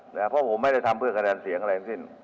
เพราะผมไม่ได้ทำเพื่อคะแนนเสียงอะไรทั้งสิ้น